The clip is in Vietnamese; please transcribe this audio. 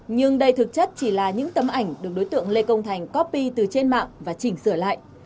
nhưng đây thực chất chỉ là những tấm ảnh được đối tượng lê công thành copy từ trên mạng và chỉnh sửa lại